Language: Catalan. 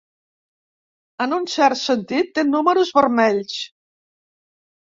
En un cert sentit, té números vermells.